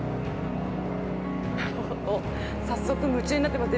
早速夢中になってます